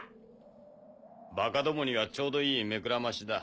バカどもにはちょうどいい目くらましだ。